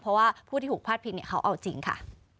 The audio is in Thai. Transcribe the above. เพราะว่าผู้ที่ถูกพาดพิงเขาเอาจริงค่ะ